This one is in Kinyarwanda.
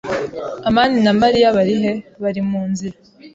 "amani na Mariya bari he?" "Bari mu nzira."